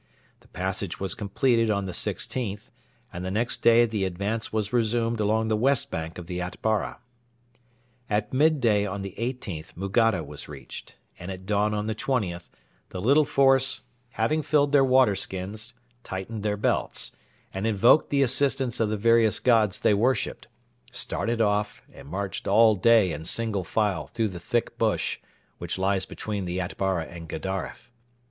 The passage was completed on the 16th, and the next day the advance was resumed along the west bank of the Atbara. At midday on the 18th Mugatta was reached, and at dawn on the 20th the little force having filled their water skins, tightened their belts, and invoked the assistance of the various gods they worshipped started off, and marched all day in single file through the thick bush which lies between the Atbara and Gedaref.